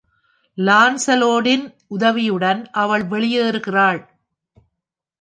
லான்சலோட்டின் உதவியுடன் அவள் வெளியேறுகிறாள்.